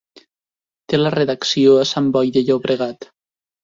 Té la redacció a Sant Boi de Llobregat.